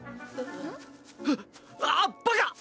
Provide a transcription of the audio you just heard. あっバカ！